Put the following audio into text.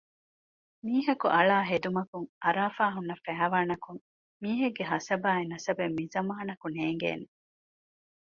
މީހަކު އަޅާ ހެދުމަކުން އަރާފައި ހުންނަ ފައިވާނަކުން މީހެއްގެ ހަސަބާއި ނަސަބެއް މިޒަމާނަކު ނޭންގޭނެ